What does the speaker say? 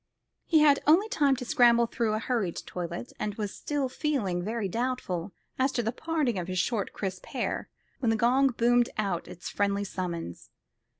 He had only time to scramble through a hurried toilet, and was still feeling very doubtful as to the parting of his short crisp hair, when the gong boomed out its friendly summons.